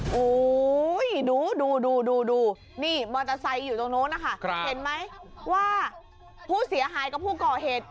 โอ้โหดูดูนี่มอเตอร์ไซค์อยู่ตรงนู้นนะคะเห็นไหมว่าผู้เสียหายกับผู้ก่อเหตุ